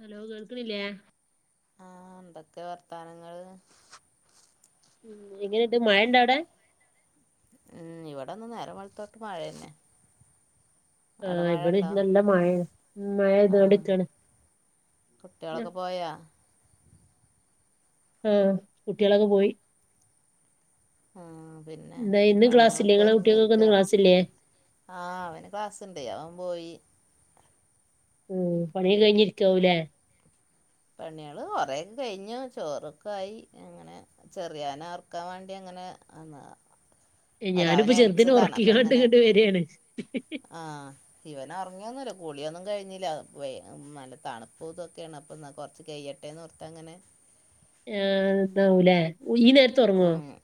Hello കേൾക്ക്ണില്ലേ ആഹ് ന്തക്കേ വർത്താനങ്ങൾ ഉം എങ്ങനണ്ട് മഴണ്ടോ അവടെ ഉം ഇവടന്ന് നേരം വെള്ത്തോട്ട് മഴ യന്നെ ആഹ് ഇപടിംനല്ല മഴയാ മഴയ്തോ ണ്ട്ക്കാണ് കുട്ടിളൊക്കെ പോയോ ആഹ് കുട്ടൊളൊക്കെ പോയി ആഹ് പി എന്താ ഇന്ന് ക്ലസ്സില്ലെ ങ്ങളെ കുട്ടെൾക്കൊക്കേ ഇന്ന് ക്ലാസ്സില്ലേ ആഹ് അവന് ക്ലാസ്ണ്ട് അവൻ പോയി ഉം പണിക്കെ കഴിഞ്ഞിരിക്കാവുംല്ലേ പണേള് കൊറെേയൊക്കെ കഴിഞ്ഞു ചോറൊക്കെ ആയി അങ്ങനെ ചെറിയോനെ ഒറക്കാം വേണ്ടി അങ്ങനെ വന്നതാ അല്ല അവൻ ഞാന്പ്പൊ ചെർതിനെ എണിച്ചതാണ് അപ്പൊ ഒറക്കിങ്ങാട് ഇങ്ങനെ ഇങ്ങട്ട് വെരാണ് ആഹ് ഇവൻ ഒറങ്ങിയൊന്നുല്ലാ കുളിയൊന്നും കഴിഞ്ഞില്ല വെ നല്ല തണുപ്പ് തൊക്കെണ് അപ്പന്നാ കൊറച്ച് കയ്യട്ടെന്നോർ അങ്ങനെ ആഹ് താവൂലെ ഈനേരത്ത് ഒറങ്ങോ ഉം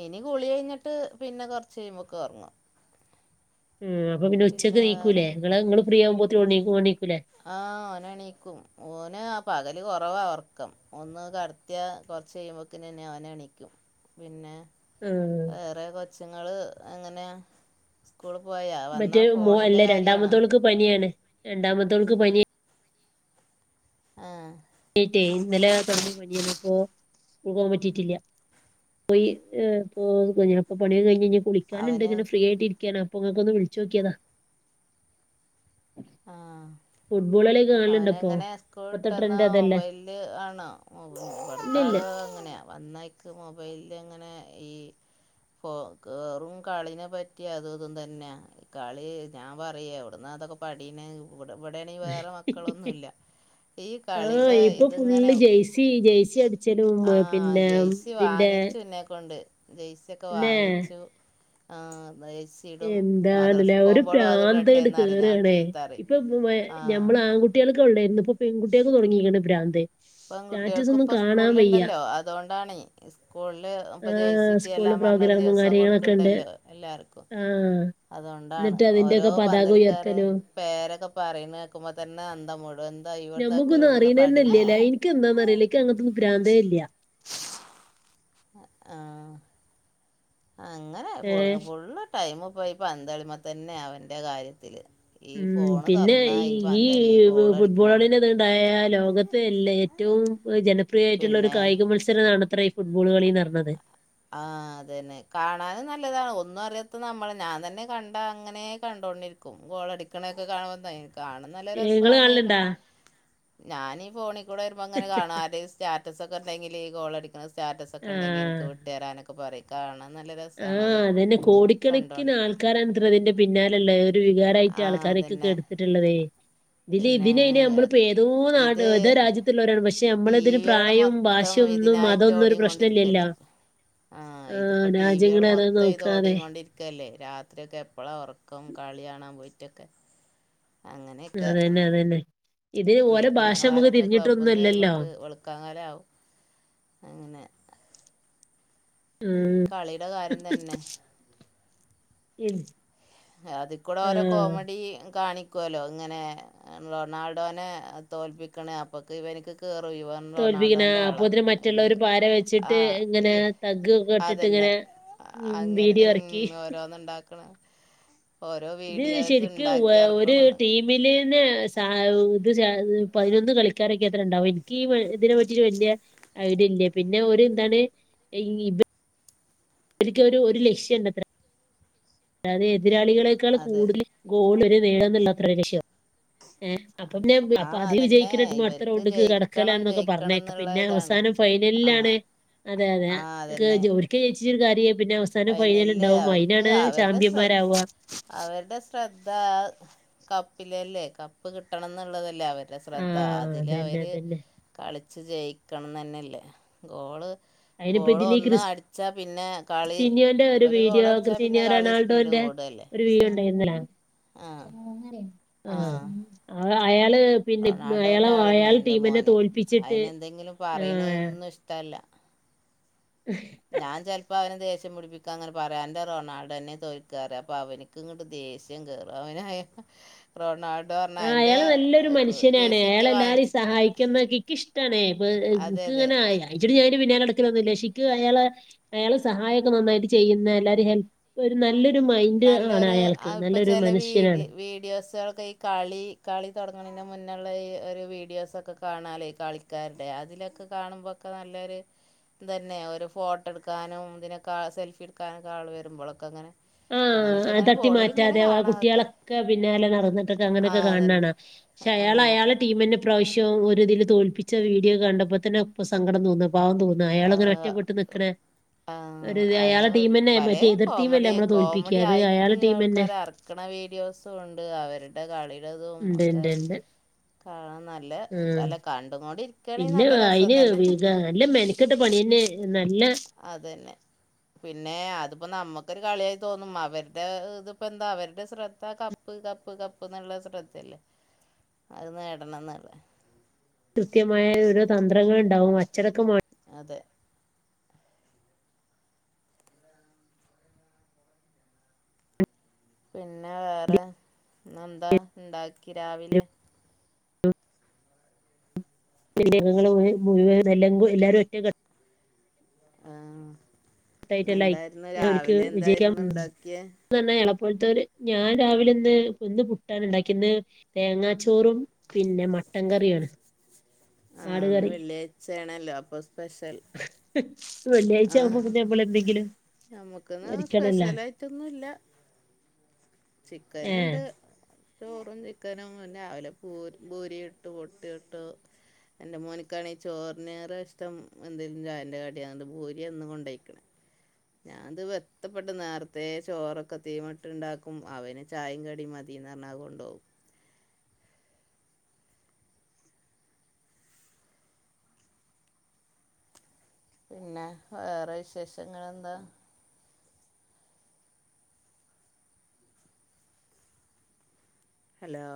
ഇനി കുളി കയ്ഞ്ഞിട്ട് പിന്നെ കൊറച്ച് കയ്യ്മ്പക്ക് ഒറങ്ങും ഉം അപ്പ പിന്നെ ഉച്ചക്ക് നീക്കൂലെ ഇങ്ങള് ഇങ്ങള് ഫ്രീ ആബോതിന് ഓൻ ഓൻ നീക്കുലെ ആഹ് ഓന് എണീക്കും ഓന് ആ പകല് കൊറവാ ഒറക്കം ഒന്ന് കടത്ത്യ കൊറച്ച് കയ്യുമ്പോക്കിനന്നെ അവൻ എണിക്കും പിന്നെ ആഹ് വേറെ കൊച്ചുങ്ങള് എങ്ങനെയാ- സ്കൂളിൽ പോയാ വന്നാ മറ്റേ മോ അല്ല ഫോണിന്റെ കാര്യണോ- രണ്ടാമത്തോൾക്ക് പനിയാണ് രണ്ടാമത്തോൾക്ക് പനി ആഹ്. [unintelligible] ഇന്നലെ തൊടങ്ങിയ പനിയ അപ്പോ സ്കൂൾ പോകാൻ പറ്റിട്ടില്ല. പോയി ഹ് ഇപ്പ പണിക്കെ കഴിഞ്ഞ് ഞ്ഞി കുളിക്കാനുണ്ട് അവന് ഇങ്ങനെ ഫ്രീ ആയിട്ട് ഇരിക്കാന് അപ്പൊ ഇങ്ങക്ക് ഒന്ന് വിളിച്ചു നോക്കിയതാ ആഹ് കാണലുണ്ടോ ഇപ്പൊ അവനങ്ങനെ ഇപ്പത്തെ സ്കൂൾട്ട്ന്ന്- ട്രെൻഡ് ആഹ് അതല്ലേ മൊബൈൽ ആണോ ഇവട്ത്ത ഇല്ലില്ല ആള് അങ്ങനെയാ വന്നാ ക്ക് മൊബൈലിൽ ഇങ്ങനെ ഈ ഫോ കേറും കളിനെ പറ്റി അതും ഇതും തന്നെ. കളി ഞാൻ പറയ എവിടന്ന് ഇതൊക്കെ പടിണ് ഇവ ഇവിടെണെങ്കിൽ വേറെ മക്കളൊന്നുംല്ല ഈ ആഹ് കളിടെ ഇപ്പൊ ഇതിങ്ങനെ ഫുള്ള് ജെയ്സി ജെയ്സി അടിച്ചലും ആഹ് പിന്നെ ജയ്സി സി ഇതിന്റെ വാങ്ങിച്ചുന്നെക്കൊണ്ട് ജെയ്‌സിക്കെ പിന്നെ വാങ്ങിച്ചു ആ പൈസ്- എന്താണ്ല്ലേ ഒരു ഇടട്ടെ പ്രാന്ത്ണ്ട് എന്ന് പറയും ഞാൻ കേറാണ് ചീത്ത പറയും ഇപ്പൊ പ്പ് ഞമ്മള് ആ ആൺകുട്- കൾക്ക്‌ ഉള്ളേർന്ന് ഇപ്പോ പെൺക്കുട്ടിക്കും തുടങ്ങിക്കണ് പ്രാന്ത്. ഇപ്പം പെൺക്കുട്ടിയേക്ക് സ്കൂളിൽ ഉണ്ടല്ലോ അതുകൊണ്ടാണ് സ്കൂളില്- ഇപ്പൊ ജേഴ്സി ആഹ് ഇട്ട് സ്കൂളില് ചെല്ലാം പറഞ്ഞ് ഒരു പ്രോഗ്രാമും ദിവസം കാര്യങ്ങളൊക്കെ ഉണ്ട് കൊടുക്കുന്നുണ്ടല്ലോ എല്ലാവർക്കു- ആഹ് അതൊണ്ടാണ് എന്നിട്ട് ഓരോ അതിന്റെയൊക്കെ പതാക പന്തളിക്കരെ ഉയർത്തലും പേരൊക്കെ പറയുന്നത് കേക്കുമ്പോ തന്നെ അന്തവിടും എന്താ ഇവിടെന്നോക്കെ ഇവിടുന്ന് പഠീ ക്ക് എന്താന്ന് അറിയില്ല ക്ക് അങ്ങനൊതൊന്നും പ്രാന്തെ ഇല്ല്യ ആഹ് അങ്ങനെ ഏഹ് ഫുള്ള്- ടൈമ് പോയി പ്പൊ പന്തളിമേ തന്നെ അവന്റെ കാര്യത്തില് ഉം പിന്നെ ഈ ഈ ഗോളടിക്കണീന് ഫുട്ബോളിന്റെ ഇത്ണ്ടായ ലോകത്ത് എല്ലേ ഏറ്റവും ജനപ്രിയമായിട്ടുള്ള ഒരു പിന്നെ കായിക മത്സര ആണത്ര ഈ ഫുട്ബോൾ കളിന്ന് പറഞ്ഞത്. ആ അതെന്നെ കാണാനും നല്ലതാണ് ഒന്നും അറിയാത്ത നമ്മള് ഞാൻ തന്നെ കണ്ട അങ്ങനെ കണ്ടോട്ടിരിക്കും. ഉം ഗോളടിക്കണൊക്കെ കാണുമ്പോ കാണൻ നല്ല ഇങ്ങള് രസണേനും. കാണലുണ്ടാ ഞാനി ഫോണിൽ കൂടെ വരുമ്പോ അങ്ങെനെ കാണും ആരേലും സ്റ്റാറ്റസ് ഒക്കെ ഉണ്ടെങ്കില് ഈ ഗോൾടിക്കുന്ന സ്റ്റാറ്റസ്. ണ്ടെങ്കിൽ എനിക്ക് ആഹ് വിട്ടേരാനൊക്കെ പറയും കാണാം നല്ലരസ- ആഹ് അതന്നെ കോടിക്കണക്കിന് ആൾക്കാരണത്രേ അതിന്റെ പിന്നാലെള്ളെ ഒരു വികാരമായിട്ട് ആഹ് ആൾക്കാരൊക്കൊ അതന്നെ. കെടുത്തിട്ടുള്ളതേ- ഇതി പിന്നെ ഇതിനെനി നമ്മളിപ്പോ ഏതോ നാട് ഇത് ഏതോ രാജ്യത്ത്- ല്ലൊരാണ് പക്ഷെ ടി നമ്മള ഇതിന് വികൾ പ്രായവും മൊത്തം ഭാഷയും ഒന്നും ഇതിനായിട്ട് മതന്നും ഒരു പ്രശ്നല്ല്യല്ലോ. ഓടിക്കൊണ്ടിരിക്കല്ലേ ആ ആഹ് രാജ്യങ്ങളേതാ നോക്കാതെ- ഒറക്കെല്ലേ രാത്രിയൊക്കെ എപ്പോഴാ ഉറക്കം കളി കാണാൻ പോയിട്ടൊക്കെ അങ്ങനെയൊക്കെ അതന്നെ അതന്നെ ഇത് ഒരെ ഭാഷ നമുക്ക് തിരിഞ്ഞിട്ടൊന്നും അല്ലല്ലോ വെളുക്കാൻ നേരവും- അങ്ങനെ. ഈ ഉം കളിടെ കാര്യം തന്നെ- [inaudible] അതി കൂടെ ഓരോ ആഹ് കോമഡി കാണി ക്കുവല്ലോ ഇങ്ങനെ റൊണാൾഡോനെ തോൽപ്പിക്കണ അപ്പൊക്ക് ഇവ നിക്ക് കേറും ഇവ- തോൽപ്പിക്കണ റൊണാഡോൾറ്റൊളാ അപ്പോത്തിന് മറ്റുള്ളവര് പാര വെച്ചിട്ട് ആഹ് ഇ ഇങ്ങനെ തഗ് ഒക്കെ ഇട്ടിട്ട് ഇങ്ങനെ അതന്നെ- ഉം അങ്ങനെ വീഡിയോ ഇം ഇറക്കി ഓരോന്ന് ഉണ്ടാക്ണ്- ഇതില്ശരിക്കു ഉണ്ടാക്കി ഒരു ഇറക്കണാണ് ടീം- മ്മിൽന്ന് ഇത് പതിനൊന്ന് കളിക്കാരൊക്കെ അത്ര ഉണ്ടാവും എനിക്ക് ഇതിനെ പറ്റി വെല്യ- ഐഡിയ ഇല്ല പിന്നെ ഒരു എന്താണ് ഈ ഇത് - ഒരിക്ക് ഒരു ഒരു ലക്ഷ്യണ്ട്ത്രേ- അതാഎതിരാളികളെക്കാൾ അത് കൂടുതൽ ഗോൾ വരെ നേടണ എന്നുള്ള അത്ര ഒരുലഷ്യമാണ് ഏഹ് അപ്പം ഞാ ആ അപ്പ അത് അതന്നെ വിജയിക്കനേർക്ക് ഇവർക്ക് മാത്രൊണ്ട് കിടക്കല ജയിക്കണം എന്നൊക്കെ ജയിക്കണം പറഞ്ഞേക്ക എന്നുള്ള പിന്നെ ഇതാണ് അവസാനം ആ ഫൈനലിലാണ് അതെ അതെ ആ ക്ക് ജോലിക്ക് ജയിച്ചിട്ടു കാര്യായ പിന്നെ അവ ഫൈനലില് അവർക്ക് അവരുടെ ശ്രദ് ചാമ്പ്യന്മാരാവുക അവരുടെ ശ്ര ശ്രദ്ധ ആ കപ്പിലല്ലേ. കപ്പ് കിട്ടണം ന്നുള്ളതല്ലേ അവര് ആ ശ്രദ്ധ അതന്നെ അതിലവര് അതന്നെ കളിച്ച് ജയിക്കണം നന്നെല്ലേ ഗോള് അതിനിപ്പോ ഗോളൊന്ന് അടിച്ചാ പിന്നെ കളി ഞൊൻ്റെ ഒരു ഗോൾ വീഡിയോ അടിച്ചാൽ പിന്നെ ക്രിസ്‌ത്യാനോ കളി സ്പീഡ് റൊണാൾഡോന്റെ കൂടുകയല്ലേ ഒരു വീഡിയോണ്ടായ്ര്നിലെ ആ ആഹ്അയാള്- റൊണാൾഡോന്റെ ആളന്നെ എൻ്റെ മോന്. തോൽപ്പിച്ചിട്ട് അയിനെയെന്തെങ്കിലും ആ പറയണ്ന്നും ഇഷ്ടല്ല. [unintelligible] ഞാൻ ചെൽപ്പ അവനെ ദേശ്യംപിടിപ്പിക്കാ ങ്ങനെ പറയാ അന്റെ റൊണാൾഡോ തന്നെ തോൽക്കാറ് അപ്പ അവനിക്ക് അങ്ങട് ദേഷ്യം കേറും. അവനായ ക് റൊണാൾഡോ അറ്ഞ്ഞ ആഹ് അതിൻ്റെ അയാള് നല്ലൊരു മനുഷ്യനാണ്. ജേസിയൊക്കെ വാങ്ങിച്ചിക്ക്ണ ട്ടണേ ഇപ്പക്ക് ഇങ്ങനെ ആയ ഇജ്ജ്ഡ് അയിന്റെ പിന്നാലെടക്കലാന്നൂല്ല. ഇഷിക്ക് അയാളെ അയാള് സഹായൊക്കെ നന്നായിട്ട് ചെയ്യുന്ന എല്ലാരേം ഹെൽപ് ഒരു നല്ലൊരു മൈ നല്ലൊര് ആ ഇപ്പ ചെല വീഡി വീഡിയോസുകൾക്ക കളി കളി തൊടങ്ങണെന്നെ മുന്നൊള്ള വീഡി ഒരു വീഡിയോസൊക്കെ കാണാലേ കളി താലേ അതിലൊക്കെ കാണുമ്പോക്കെ നല്ലൊരു ഇതന്നെ ഒരു ഫോട്ടോ എടുക്കാനും അതെന്നെ ഓര് ഫോട്ടട്ക്കാനും ഇതിനൊക്കെ സെൽഫി എടുക്കാനൊക്കെ ആള് വരുമ്പോളൊക്കങ്ങനെ ആഹ് ആ തട്ടി മാറ്റാതെ ആ അതൊക്കെ കുട്ടികളൊക്കെ പിന്നാലെ നടന്നിട്ടൊക്കെ ആ അങ്ങനക്കെ അതന്നെ കാണ്ണണകാണാ ക്ഷെ ഉം അയാളയാള് ടീമിന്നെ പ്രാവിശ്യം ഒരിതില് തോൽപ്പിച്ച വീഡിയോ കണ്ടപ്പോ തന്നെ അപ്പ സങ്കടം തോന്നാ പാവം തോന് ആ അയാളങ്ങനെ ഒറ്റപ്പെട്ട് നിക്കണ ആ ഒരു അയാളെ അയ്ന് ടീമന്നെ പലേ മറ്റേ എതിർ ടീമില്ലേ കോമഡി നമ്മളെ തോൽപ്പിക്ക്യാ. കോമഡി അത് ആയിട്ട് അയാളെ ടീമെന്നെ. ആൾക്കാരാ ക്കണ വീഡിയോസും ഉണ്ട് അവരുടെ കളിടതും ഇണ്ട് ഒക്കെ ഇണ്ട് ഇണ്ട്. ആഹ് നല്ല ആഹ് അല്ല കണ്ടുകൊണ്ടിരി പിന്നെ അയിന് പി നല്ല മെനക്കെട്ട പണിയെന്നെ നല്ല അതന്നെ പിന്നേ അതിപ്പ നമക്കൊരു കളിയായി തോന്നും അവര്ടേത് ഇതിപ്പന്താ അവരുടെ ശ്രദ്ധ കപ് പ്പ് കപ്പ് കപ്പ് എന്നുള്ള ശ്രദ്ധല്ലേ അത് നേടണംന്ന്ള്ളെ കൃത്യമായ ഓരോ തന്ത്രങ്ങള്ണ്ടാവും അച്ചടക്കമാ അതെ പിന്നെ വേറെ ഇന്നെന്താ ഇണ്ടാക്കി രാവിലെ? [unintelligible] ജനങ്ങള് [unintelligible] എല്ലാരും [unintelligible] ഒറ്റക്കെട്ടാ ആ [unintelligible] എന്തായിരുന്നു അവര്ക്ക് രാവിലെ വിജയിക്കാം എന്തായിരുന്നു ഉണ്ടാക്കിയേ റഞ്ഞ എളപ്പഴത്തൊരു ഞാൻ രാവിലെ ഇന്ന് ഇന്ന് പുട്ടാണ് ഉണ്ടാക്കി ഇന്ന് തേങ്ങാച്ചോറും പിന്നെ മട്ടൻ കറിയാണ് ആട് കറി. ചേണല്ലോ അപ്പ സ്പെഷ്യൽ [unintelligible] വെള്ളിയാഴ്ച ആവുമ്പോ പിന്നെ നമ്മൾ എന്തെങ്കിലും നമ്മുക്കിന്ന് ഒരുക്കണല്ല സ്പെഷ്യലായിട്ടൊന്നുല്ല. ഏ ചിക്കന്ണ്ട്. ചോറും ചിക്കനും പിന്നെ രാവിലെ പൂ പൂരി ഇട്ടു പുട്ടു ചുട്ടു. എൻ്റെ മോന്ക്കാണെങ്കി ചോറിനേറെ ഇഷ്ടം എന്തേലും ചായേന്റെ കടിയാണ്ട് പൂരിയാ ഇന്നും കൊണ്ടയ്ക്കണേ. ഞാൻ ത് വെത്തപ്പെട്ട് നേരത്തെ ചോറൊക്കെ തീമട്ടുണ്ടാക്കും അവന് ചായയും കടിയും മതി. തീന്നറഞ്ഞ കൊണ്ടോവും പിന്നെ വേറെ വിശേഷങ്ങള്എന്താ? ഹലോ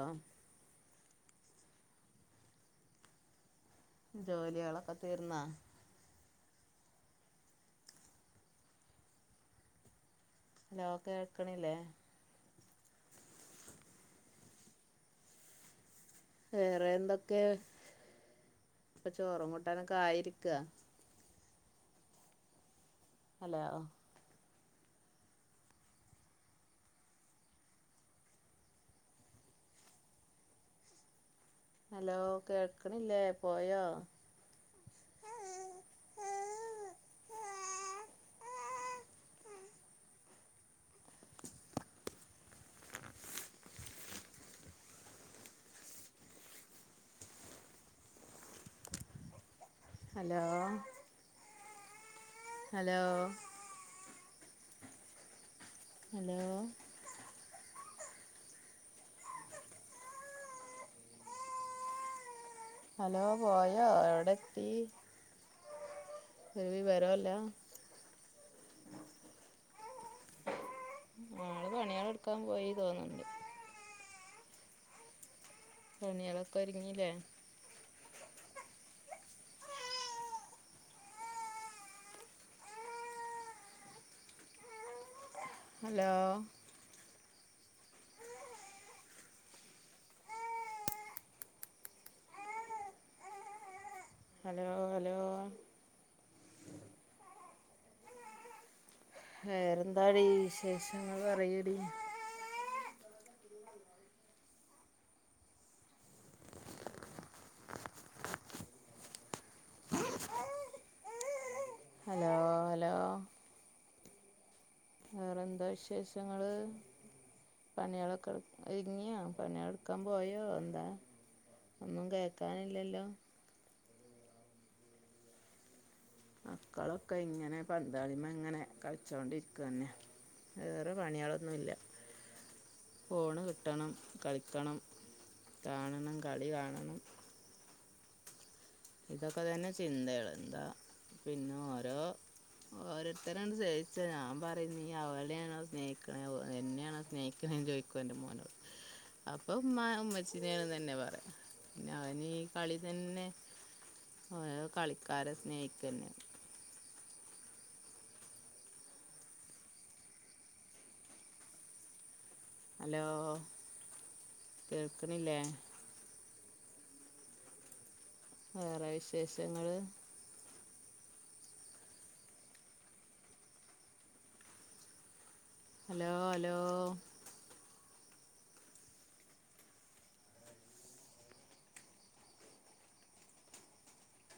ജോലികളൊക്കെ തീർന്നാ? ഹലോ കേൾക്കണില്ലേ? വേറെ എന്തൊക്കെയാ? ഇപ്പ ചോറും കൂട്ടാനൊക്കെ ആയിരിക്ക. ഹലോ? ഹലോ കേൾക്കണില്ലേ പോയോ? ഹലോ? ഹലോ? ഹലോ ഹലോ പോയോ എവിടെ എത്തി? [unintelligible] വരോല്ലാ മോള്പണികള് എടുക്കാൻ പോയി തോന്നുന്നുണ്ട് പണികളൊക്കെ ഒരുങ്ങില്ലേ? ഹലോ? Hello hello? വേറെന്താടി വിശേഷങ്ങൾ പറയടി? Hello hello? എന്താ വിശേഷങ്ങള്? പണികളൊക്കെ ഒരുങ്ങിയോ? പണികൾ എടുക്കാൻ പോയോ എന്താ? ഒന്നും കേക്കാനില്ലല്ലോ? മക്കളൊക്കെ ഇങ്ങനെ പന്ത് കളി മേൽ ഇങ്ങനെ കളിച്ചോണ്ടിരിക തന്നെ. വേറെ പണികളൊന്നുമില്ല. ഫോണ് കിട്ടണം കളിക്കണം കാണണം കളി കാണണം ഇതൊക്കെ തന്നെ ചിന്തകൾ എന്താ പിന്നെ ഓരോ ഓരോരുത്തരെ [unintelligible] സ്നേഹിച്ചേ ഞാൻ പറയും നീ അവളെയാണോ സ്നേഹിക്കണേ എന്നെയാണോ സ്നേഹിക്കണേ ചോദിക്ക എൻ്റെ മോനോട് അപ്പൊ ഉമ്മാ ഉമ്മച്ചിനെ ആണ് തന്നെ പറയും പിന്നെ അവന് ഈ കളി തന്നെ ഓന് കളിക്കാരെ സ്നേഹിക്കന്നെ. ഹലോ കേൾക്കണില്ലേ? വേറെ വിശേഷങ്ങള്? Hello hello?